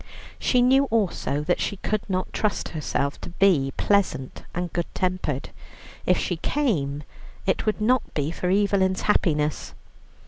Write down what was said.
She knew also that she could not trust herself to be pleasant and good tempered. If she came, it would not be for Evelyn's happiness.